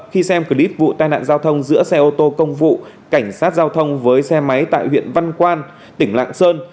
khi xem clip vụ tai nạn giao thông giữa xe ô tô công vụ cảnh sát giao thông với xe máy tại huyện văn quan tỉnh lạng sơn